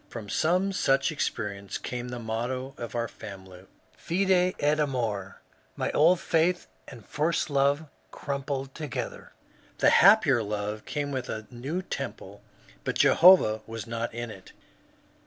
From some such experience came the motto of our family, Fide et amove. My old faith and first love crum bled together. The happier love came with a new temple, but Jehovah was not in it.